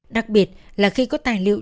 đặc biệt là khi có tài liệu